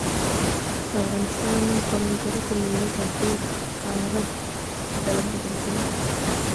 د افغانستان په منظره کې مېوې په ډېر ښکاره ډول لیدل کېږي.